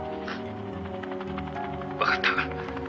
「」「わかった」